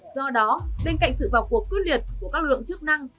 do đó bên cạnh sự vào cuộc cướp liệt của các lực lượng chức năng